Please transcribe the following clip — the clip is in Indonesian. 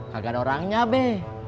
kagak ada orangnya be